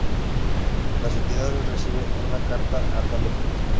Las entidades reciben una carta a tal efecto.